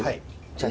じゃあ。